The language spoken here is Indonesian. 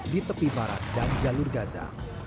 di tepi barat dan jalur gaza